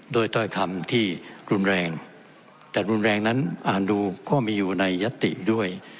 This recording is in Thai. ถ้อยคำที่รุนแรงแต่รุนแรงนั้นอ่านดูก็มีอยู่ในยัตติด้วย